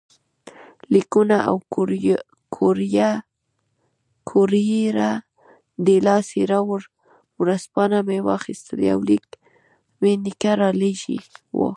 لیکونه او کوریره ډیلا سیرا ورځپاڼه مې واخیستل، یو لیک مې نیکه رالېږلی وو.